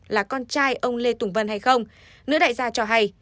là con trai ông lê tùng vân hay không nữ đại gia cho hay